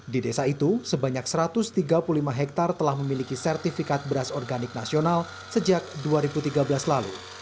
di desa itu sebanyak satu ratus tiga puluh lima hektare telah memiliki sertifikat beras organik nasional sejak dua ribu tiga belas lalu